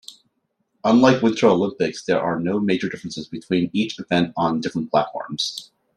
Unlike "Winter Olympics", there are no major differences between each event on different platforms.